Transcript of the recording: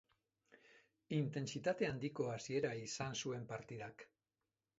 Intentsitate handiko hasiera izan zuen partidak.